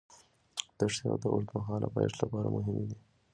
دښتې د اوږدمهاله پایښت لپاره مهمې دي.